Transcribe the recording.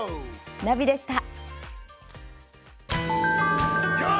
ナビでした。